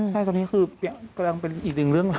ใช่ตอนนี้คือกำลังเป็นอีกหนึ่งเรื่อง